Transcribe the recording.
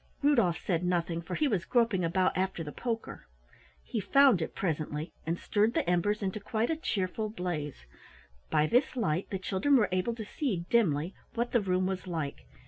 Rudolf said nothing, for he was groping about after the poker. He found it presently and stirred the embers into quite a cheerful blaze. By this light the children were able to see dimly what the room was like.